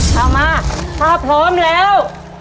เอามาถ้าพร้อมแล้ว